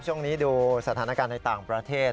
ช่วงนี้ดูสถานการณ์ในต่างประเทศ